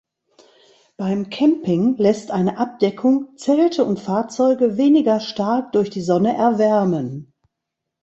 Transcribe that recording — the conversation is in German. Beim Camping lässt eine Abdeckung Zelte und Fahrzeuge weniger stark durch die Sonne erwärmen.